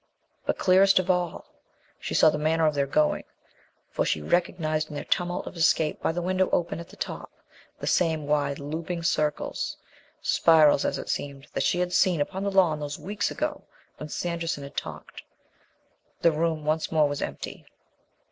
But, clearest of all, she saw the manner of their going; for she recognized in their tumult of escape by the window open at the top, the same wide "looping circles" spirals as it seemed that she had seen upon the lawn those weeks ago when Sanderson had talked. The room once more was empty.